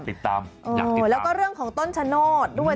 อยากติดตามอยากติดตามแล้วก็เรื่องของต้นชะโนธด้วย